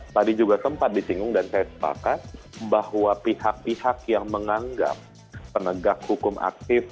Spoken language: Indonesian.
tadi juga sempat disinggung dan saya sepakat bahwa pihak pihak yang menganggap penegak hukum aktif